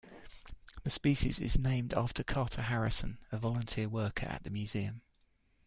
The species is named after Carter Harrison, a volunteer worker at the museum.